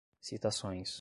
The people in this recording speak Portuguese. citações